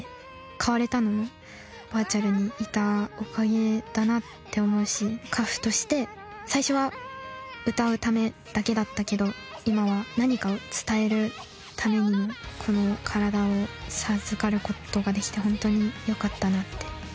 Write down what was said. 変われたのもバーチャルにいたおかげだなって思うし花譜として最初は歌うためだけだったけど今は何かを伝えるためにもこの体を授かる事ができてホントによかったなって。